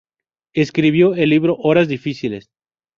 Escribió el libro "Horas difíciles.